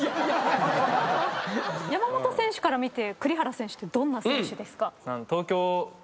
山本選手から見て栗原選手ってどんな選手ですか？